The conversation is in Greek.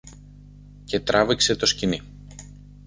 και τράβηξε το σκοινί.